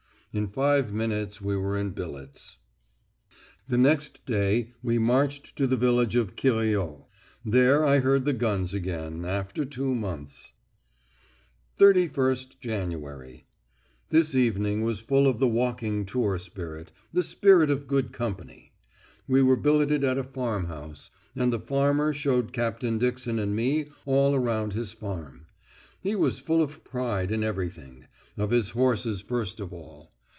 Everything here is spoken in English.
In five minutes we were in billets...." The next day we marched to the village of Querrieux. There I heard the guns again after two months. "31st January. This evening was full of the walking tour spirit, the spirit of good company. We were billeted at a farmhouse, and the farmer showed Captain Dixon and me all round his farm. He was full of pride in everything; of his horses first of all.